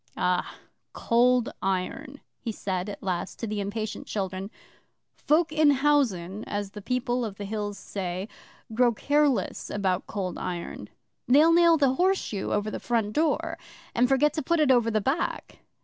'AH Cold Iron,' he said at last to the impatient children. 'Folk in housen, as the People of the Hills say, grow careless about Cold Iron. They'll nail the Horseshoe over the front door, and forget to put it over the back.